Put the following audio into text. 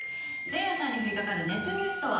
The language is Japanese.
せいやさんに降りかかるネットニュースとは？